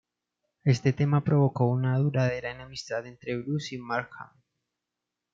Este tema provocó una duradera enemistad entre Bruce y Markham.